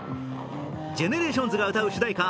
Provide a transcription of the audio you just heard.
ＧＥＮＥＲＡＴＩＯＮＳが歌う主題歌